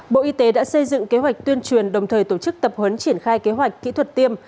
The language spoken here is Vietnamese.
bộ y tế đã xây dựng kế hoạch tuyên truyền đồng thời tổ chức tập huấn triển khai kế hoạch kỹ thuật tiêm